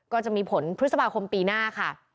ก็จะมีผลพฤษภาคมปีหน้าค่ะ